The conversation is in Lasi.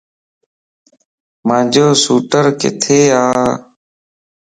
مانجو سوٽر ڪٿي ا؟